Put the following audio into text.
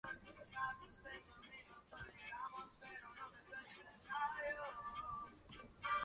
Es la más alta distinción de la Comunidad Autónoma de Andalucía.